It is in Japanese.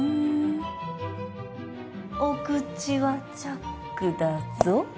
お口はチャックだぞ。